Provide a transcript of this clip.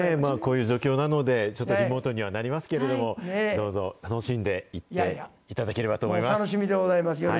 こういう状況なので、ちょっとリモートにもなりますけれども、どうぞ楽しんでいっていただければと思います。